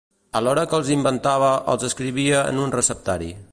Alhora que els inventava, els escrivia en un receptari.